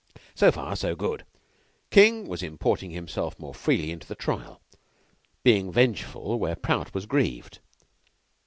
So far good. King was importing himself more freely into the trial, being vengeful where Prout was grieved.